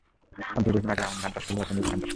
আবদুর রহিম আগে আমন ধান চাষ করলেও এখন ইরি ধান চাষ করে।